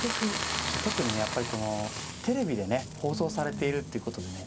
そして特にねやっぱりこのテレビでね放送されているっていうことでね